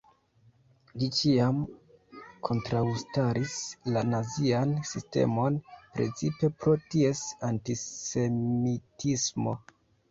Li ĉiam kontraŭstaris la nazian sistemon, precipe pro ties antisemitismo.